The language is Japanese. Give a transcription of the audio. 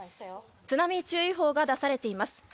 津波注意報が出されています。